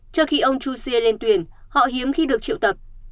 trước khi ông jose lên tuyển họ hiếm khi được triệu tập